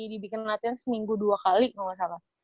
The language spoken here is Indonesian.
dibikin latihan seminggu dua kali kalau gak salah